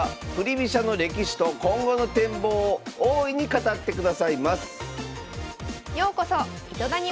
飛車の歴史と今後の展望を大いに語ってくださいます